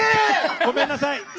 ごめんなさい。